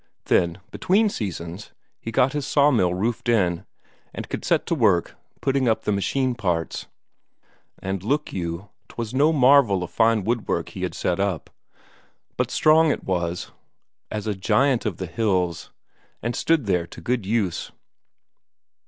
Then, between seasons, he got his sawmill roofed in, and could set to work putting up the machine parts. And look you, 'twas no marvel of fine woodwork he had set up, but strong it was, as a giant of the hills, and stood there to good use.